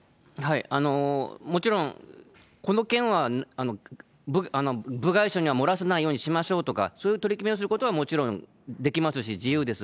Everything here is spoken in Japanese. もちろん、この件は、部外者には漏らさないようにしましょうとか、そういう取り決めをすることはもちろんできますし、自由です。